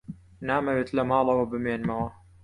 نامەوێت لە ماڵەوە بمێنمەوە.